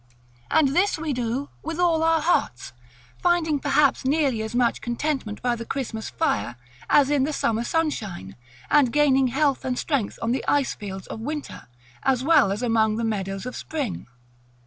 And this we do with all our hearts; finding perhaps nearly as much contentment by the Christmas fire as in the summer sunshine, and gaining health and strength on the ice fields of winter, as well as among the meadows of spring.